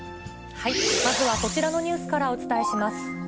まずはこちらのニュースからお伝えします。